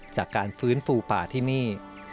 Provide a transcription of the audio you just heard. จากการฟื้นฟูป่าที่นี่